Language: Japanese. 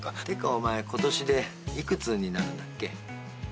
てかお前ことしで幾つになるんだっけ？